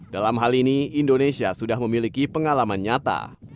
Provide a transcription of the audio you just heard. dalam hal ini indonesia sudah memiliki pengalaman nyata